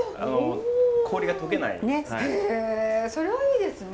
へえそれはいいですね。